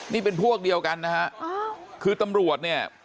นี่เป็นพวกเดียวกันนะฮะคือตำรวจเนี่ย